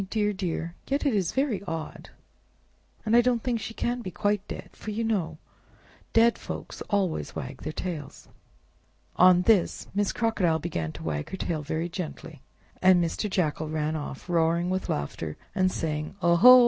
Dear! dear! Yet it is very odd, and I don't think she can be quite dead, you know—for dead folks always wag their tails!" On this, Miss Crocodile began to wag her tail very gently, and Mr. Jackal ran off, roaring with laughter, and saying. "Oho!